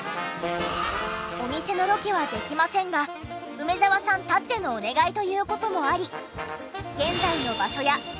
お店のロケはできませんが梅沢さんたってのお願いという事もあり。